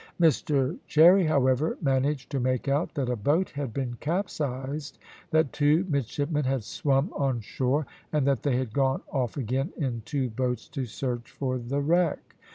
Mr Cherry, however, managed to make out that a boat had been capsized, that two midshipmen had swum on shore, and that they had gone off again in two boats to search for the wreck.